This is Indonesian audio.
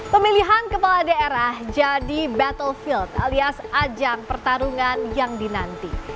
pemilihan kepala daerah jadi battlefield alias ajang pertarungan yang dinanti